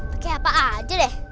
oke apa aja deh